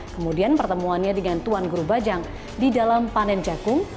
kemudian pertemuannya dengan tuan guru bajang di dalam panen jagung